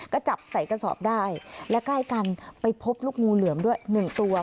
ก็จับใส่กระสอบได้และใกล้กันไปพบลูกงูเหลือมด้วยหนึ่งตัว